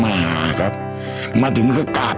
ผมจะมีรูปภาพของพระพิสุนุกรรม